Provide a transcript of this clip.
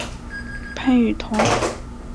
潘雨桐。